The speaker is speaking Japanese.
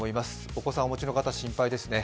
お子さんをお持ちの方、心配ですね